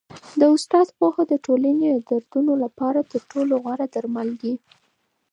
د استاد پوهه د ټولني د دردونو لپاره تر ټولو غوره درمل دی.